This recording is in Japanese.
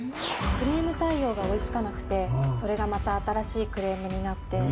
クレーム対応が追い付かなくてそれがまた新しいクレームになって。